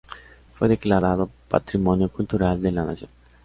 Fue declarado Patrimonio Cultural de la Nación.